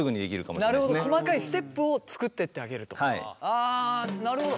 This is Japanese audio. あなるほど。